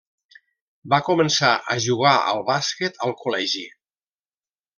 Va començar a jugar al bàsquet al col·legi.